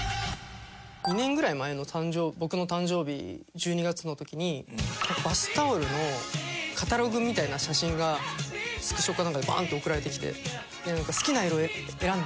２年ぐらい前の僕の誕生日１２月の時にバスタオルのカタログみたいな写真がスクショかなんかでバーンって送られてきて「好きな色えらんで！」